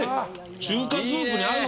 中華スープに合うわ！